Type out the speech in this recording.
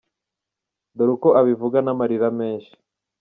Dore uko abivuga n’amarira menshi :